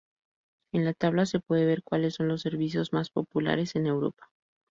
En la tabla se puede ver cuales son los servicios más populares en Europa.